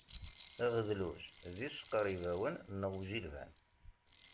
Aɣedluj d iqcer ibawen neɣ ujilban.